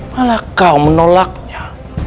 malah kau menolaknya